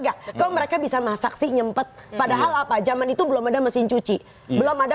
enggak kau mereka bisa masak sih nyempet padahal apa zaman itu belum ada mesin cuci belum ada